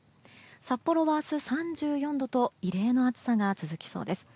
札幌は明日３４度と異例の暑さが続きそうです。